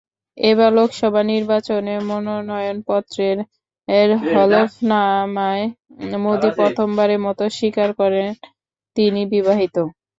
এবার লোকসভা নির্বাচনে মনোনয়নপত্রের হলফনামায় মোদি প্রথমবারের মতো স্বীকার করেন, তিনি বিবাহিত।